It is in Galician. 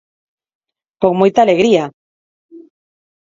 Con moita alegría.